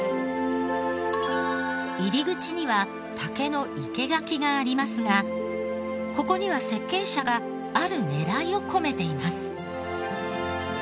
入り口には竹の生け垣がありますがここには設計者がある狙いを込めています。